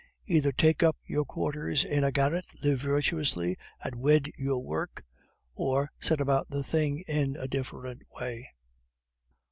"Either take up your quarters in a garret, live virtuously, and wed your work, or set about the thing in a different way."